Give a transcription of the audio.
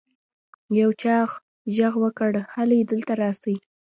يو چا ږغ وکړ هلئ دلته راسئ.